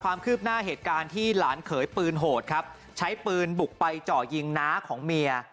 ความคืบหน้าเหตุการณ์ที่หลานเขยปืนโหดครับใช้ปืนบุกไปเจาะยิงน้าของเมีย